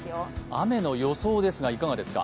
雨の予想ですがいかがですか？